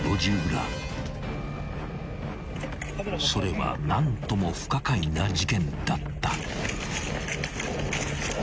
［それは何とも不可解な事件だった］